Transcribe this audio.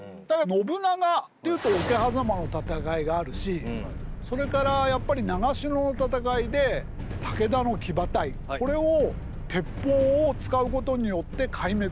信長というと桶狭間の戦いがあるしそれからやっぱり長篠の戦いで武田の騎馬隊これを鉄砲を使うことによって壊滅させる。